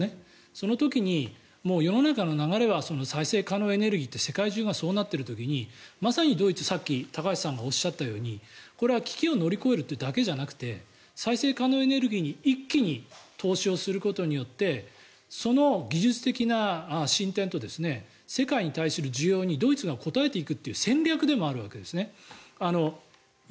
その時に世の中の流れは再生可能エネルギーって世界中がそうなっている時にまさにドイツ、さっき高橋さんがおっしゃったようにこれは危機を乗り越えるだけじゃなくて再生可能エネルギーに一気に投資することによってその技術的な進展と世界に対する需要にドイツが応えていくという戦略でもあるわけですね。